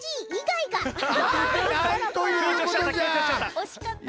おしかった。